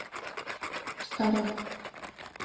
Кӏэрэп.